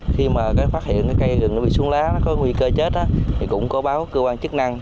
khi phát hiện cây rừng bị xuống lá có nguy cơ chết cũng có báo cơ quan chức năng